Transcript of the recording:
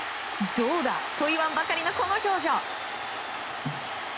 どうだ！と言わんばかりのこの表情。